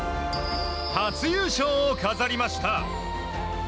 初優勝を飾りました。